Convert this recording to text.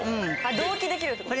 同期できるってこと？